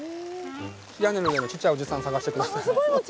屋根の上のちっちゃいおじさん探して下さい。